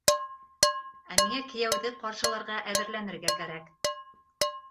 Ә миңә кейәүҙе ҡаршыларға әҙерләнергә кәрәк!